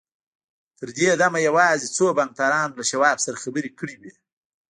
تر دې دمه يوازې څو بانکدارانو له شواب سره خبرې کړې وې.